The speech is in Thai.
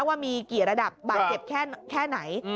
ว่ามีกี่ระดับบาดเจ็บแค่ไหน